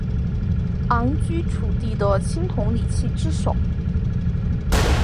鼎居楚地的青铜礼器之首。